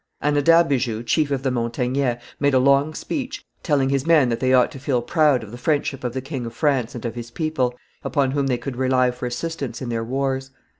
Anadabijou, chief of the Montagnais, made a long speech, telling his men that they ought to feel proud of the friendship of the king of France and of his people, upon whom they could rely for assistance in their wars.